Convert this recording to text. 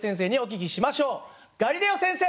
ガリレオ先生！